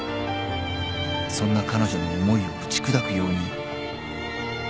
［そんな彼女の思いを打ち砕くように］